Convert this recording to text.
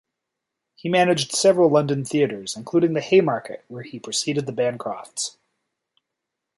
He managed several London theatres, including the Haymarket, where he preceded the Bancrofts.